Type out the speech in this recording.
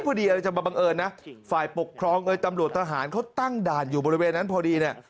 พอดีอะไรจะมาบังเอิญนะฝ่ายปกครองเอ่ยตำรวจทหารเขาตั้งด่านอยู่บริเวณนั้นพอดีเนี่ย